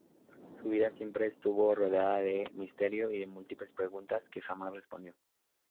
Su vida siempre estuvo rodeada de misterio y de múltiples preguntas que jamás respondió.